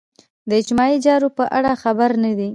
د اجتماعي چارو په اړه خبر نه دي.